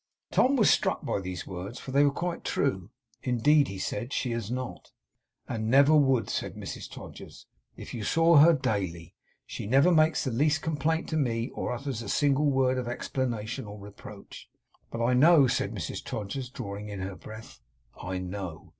Tom was struck by these words, for they were quite true. 'Indeed,' he said, 'she has not.' 'And never would,' said Mrs Todgers, 'if you saw her daily. She never makes the least complaint to me, or utters a single word of explanation or reproach. But I know,' said Mrs Todgers, drawing in her breath, 'I know!